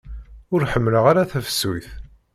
Ur ḥemmleɣ ara tafsut.